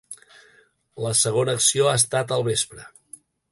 La segona acció ha estat al vespre.